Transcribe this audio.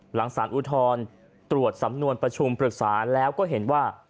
หลังสารอุทธรณ์ตรวจสำนวนประชุมปรึกษาแล้วก็เห็นว่า